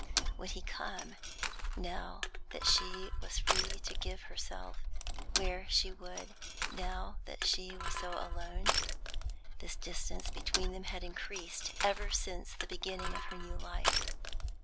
Would he come, now that she was free to give herself where she would, now that she was so alone? The distance between them had increased ever since the beginning of her new life.